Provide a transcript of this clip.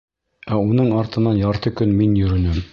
Ә уның артынан ярты көн мин йөрөнөм.